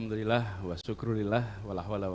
do you know what i wantlah ya bang